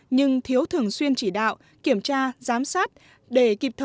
nhưng thiếu thường xuyên chỉ đạo kiểm tra giám sát